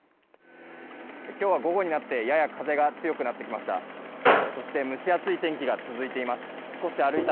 今日は午後になってやや風が強くなってきました。